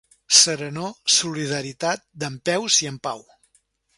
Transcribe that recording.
Serenor, solidaritat, dempeus i en pau!